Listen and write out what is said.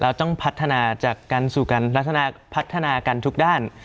เราต้องพัฒนาจากการสู่กันลักษณะพัฒนากันทุกด้าน